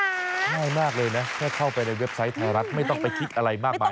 ง่ายมากเลยนะแค่เข้าไปในเว็บไซต์ไทยรัฐไม่ต้องไปคิดอะไรมากมาย